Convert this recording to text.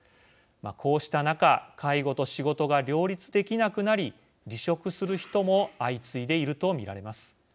こうした中介護と仕事が両立できなくなり離職する人も相次いでいると見られます。